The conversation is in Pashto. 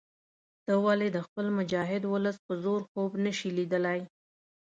ته ولې د خپل مجاهد ولس په زور خوب نه شې لیدلای.